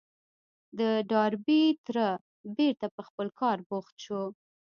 د ډاربي تره بېرته پر خپل کار بوخت شو.